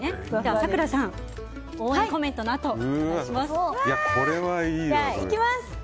咲楽さん、応援コメントのあとお願いします。